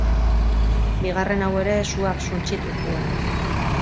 Bigarren hau ere suak suntsitu zuen.